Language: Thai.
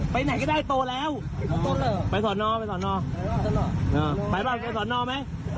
ไปไหนก็ได้โตแล้วไปสรอเนาแต่ไหนไปสรอเนา